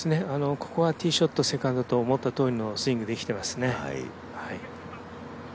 ここはティーショットセカンドと思ったとおりのスイングできていますね。